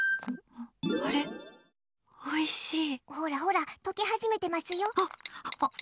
ほらほら、溶け始めてますよ。